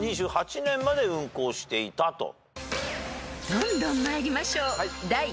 ［どんどん参りましょう］